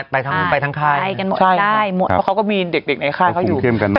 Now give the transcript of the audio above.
ได้หมดได้หมดได้หมดใช่ครับเพราะเขาก็มีเด็กในค่ายเขาอยู่